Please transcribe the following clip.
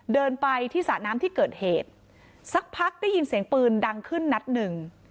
เดินไปที่สระน้ำที่เกิดเหตุสักพักได้ยินเสียงปืนดังขึ้นนัดหนึ่ง